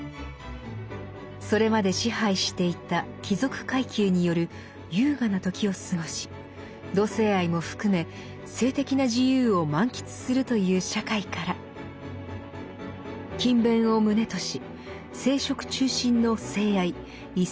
それまで支配していた貴族階級による優雅な時を過ごし同性愛も含め性的な自由を満喫するという社会から勤勉を旨とし生殖中心の性愛異性愛が励行されるようになりました。